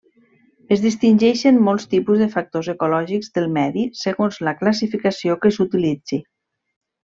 Es distingeixen molts tipus de factors ecològics del medi segons la classificació que s'utilitzi.